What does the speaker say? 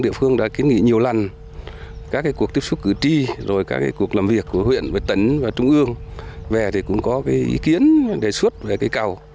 địa phương đã kiến nghị nhiều lần các cuộc tiếp xúc cử tri rồi các cuộc làm việc của huyện với tỉnh và trung ương về thì cũng có ý kiến đề xuất về cây cầu